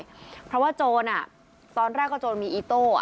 เกิดขึ้นหน่อยเพราะว่าโจรอ่ะตอนแรกก็โจรมีอีโต้อ่ะ